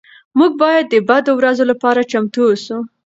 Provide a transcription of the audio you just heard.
موږ باید د بدو ورځو لپاره چمتو اوسو.